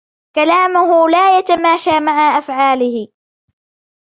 كلامه لا يتماشى مع أفعاله.